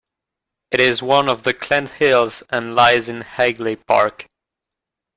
It is one of the Clent Hills and lies in Hagley Park.